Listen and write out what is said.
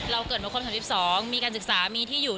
เราเกิดเป็นคน๓๒มีการศึกษามีที่อยู่